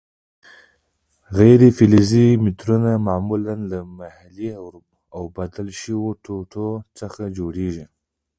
غیر فلزي مترونه معمولاً له محې او بدل شویو ټوټو څخه جوړیږي.